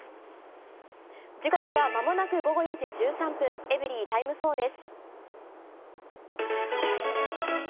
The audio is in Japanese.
時刻は間もなく午後４時１３分、エブリィタイム４です。